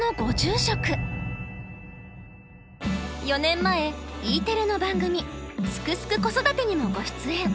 ４年前Ｅテレの番組「すくすく子育て」にもご出演。